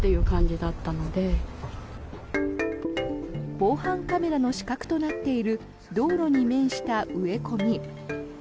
防犯カメラの死角となっている道路に面した植え込み。